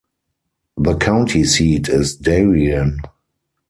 The county seat is Darien.